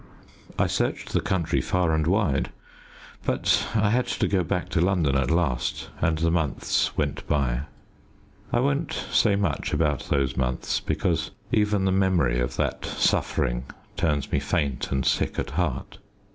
I searched the country far and wide, but I had to go back to London at last, and the months went by. I won't say much about those months, because even the memory of that suffering turns me faint and sick at heart.